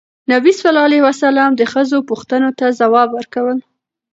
نبي ﷺ د ښځو پوښتنو ته ځواب ورکول.